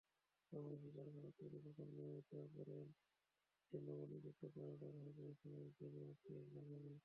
বাংলাদেশি কারখানার তৈরি পোশাক নিয়মিত পরেন বাংলাদেশে নবনিযুক্ত কানাডার হাইকমিশনার বেনওয়া পিয়ের লাঘামে।